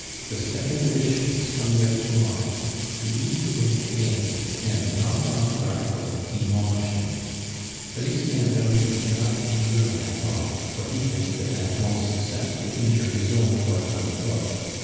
The second edition is coming out to morrow; read the book again, and knock off an article demolishing it. Felicien Vernou cannot endure Nathan, for he thinks that Nathan's success will injure his own forthcoming book.